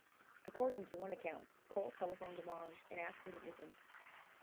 According to one account, Coll telephoned DeMange and asked to meet with him.